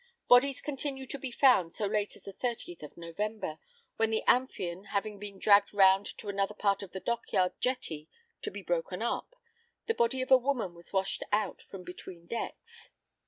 Bodies continued to be found so late as the 30th of November, when the Amphion having been dragged round to another part of the dock yard jetty to be broken up, the body of a woman was washed out from between decks.